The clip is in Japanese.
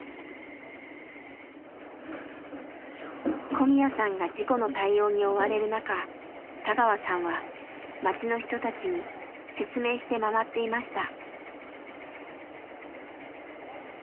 小宮さんが事故の対応に追われる中田川さんは町の人たちに説明して回っていました。